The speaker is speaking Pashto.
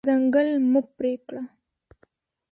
ځنګل مه پرې کړه.